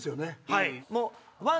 はい。